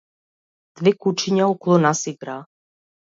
Две кучиња околу нас играа.